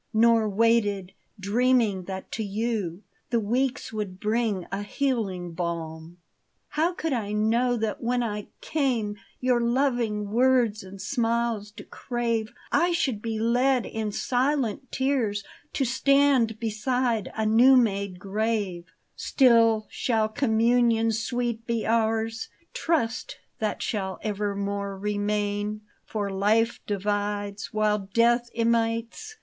Nor waited, dreaming that to you The weeks would bring a healing balm. How could I know that when I came Your loving words and smiles to crave, I should be led in silent tears To stand beside a new made grave ? 49 4 LEONE. Still, shall communion sweet be ours : Trust that shall evennore remain ; For life divides, while death imites.